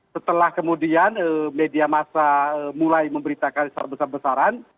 setelah kemudian media masa mulai memberitakan besar besaran